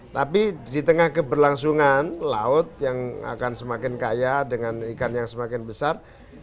tapi di tengah keberlangsungan laut yang akan semakin kaya dengan ikan yang semakin besar